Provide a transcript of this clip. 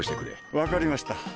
分かりました。